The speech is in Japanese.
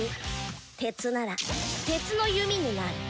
鉄なら鉄の弓になる。